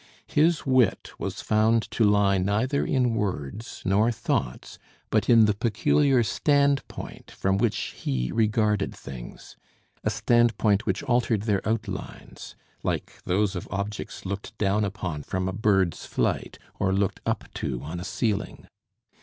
His wit was found to lie neither in words nor thoughts, but in the peculiar standpoint from which he regarded things, a standpoint which altered their outlines, like those of objects looked down upon from a bird's flight, or looked up to on a ceiling.